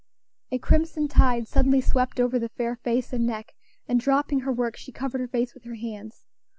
A crimson tide suddenly swept over the fair face and neck, and dropping her work, she covered her face with her hands.